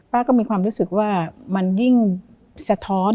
ป้าก็มีความรู้สึกว่ามันยิ่งสะท้อน